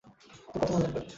তো কতো মাল লাগবে?